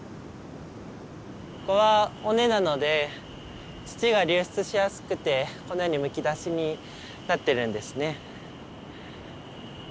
ここは尾根なので土が流出しやすくてこのようにむき出しになってるんですね。